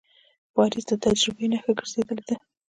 پاریس د تجربې نښه ګرځېدلې ده.